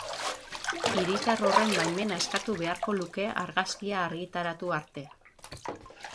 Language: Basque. Hiritar horren baimena eskatu beharko luke argazkia argitaratu arte.